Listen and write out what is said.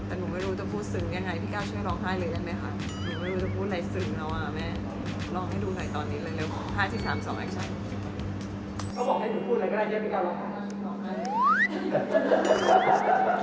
ก็บอกให้ผมพูดอะไรก็ได้ให้พี่ก้าร้องไห้